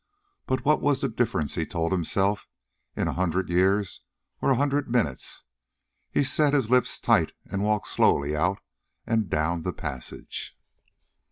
But what was the difference, he told himself, in a hundred years or a hundred minutes. He set his lips tight and walked slowly out and down the passage.